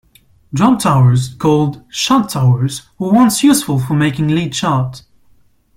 Drop towers called shot towers were once useful for making lead shot.